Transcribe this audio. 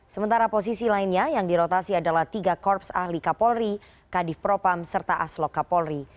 sementara posisi lainnya yang dirotasi adalah tiga korps ahli kapolri kadif propam serta aslok kapolri